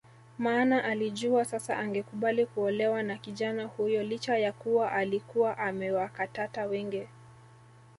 Maana alijua sasa angekubali kuolewa na kijana huyo licha ya kuwa alikuwa amewakatata wengi